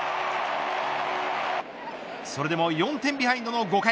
それでも４点ビハインドの５回。